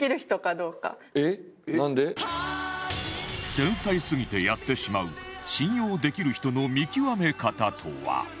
繊細すぎてやってしまう信用できる人の見極め方とは？